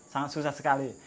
sangat susah sekali